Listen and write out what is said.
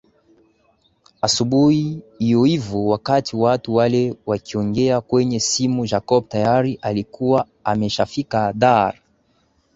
Asubuhi hiyohiyo wakati watu wale wakiongea kwenye simu Jacob tayari alikuwa ameshafika Dar